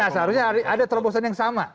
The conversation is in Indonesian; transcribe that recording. nah seharusnya ada terbosan yang sama